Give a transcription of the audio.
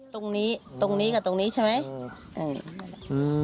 ตรงนี้กับตรงนี้ใช่ไหม